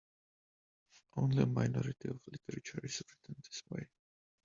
Only a minority of literature is written this way.